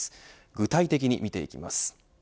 具体的に見ていきます。